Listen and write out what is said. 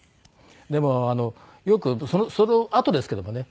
でもよくそのあとですけどもね。